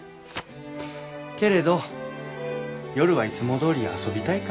けれど夜はいつもどおり遊びたいからね。